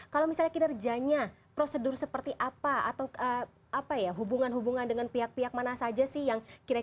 kalau misalnya kinerjanya prosedur seperti apa atau apa ya hubungan hubungan dengan pihak pihak mana saja sih yang kira kira